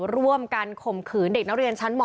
ร่วมกันข่มขืนเด็กนักเรียนชั้นม๔